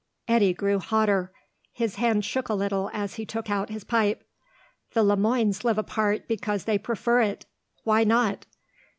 Eddy grew hotter. His hand shook a little as he took out his pipe. "The Le Moines live apart because they prefer it. Why not?